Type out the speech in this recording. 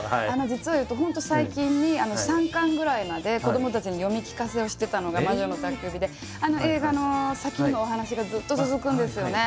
実を言うと本当最近に３巻ぐらいまで子どもたちに読み聞かせをしてたのが「魔女の宅急便」であの映画の先にもお話がずっと続くんですよね